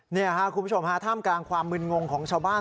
นี่ค่ะคุณผู้ชมฮะท่ามกลางความมึนงงของชาวบ้าน